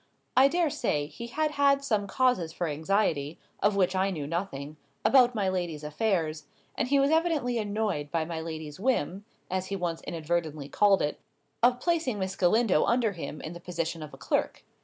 I dare say, he had had some causes for anxiety (of which I knew nothing) about my lady's affairs; and he was evidently annoyed by my lady's whim (as he once inadvertently called it) of placing Miss Galindo under him in the position of a clerk.